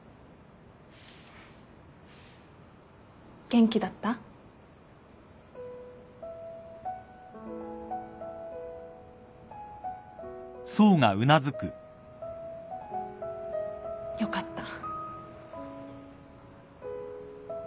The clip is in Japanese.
元気だった？よかった。